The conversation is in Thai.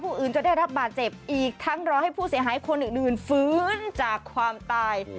อื่นจะได้รับบาดเจ็บอีกทั้งรอให้ผู้เสียหายคนอื่นฟื้นจากความตาย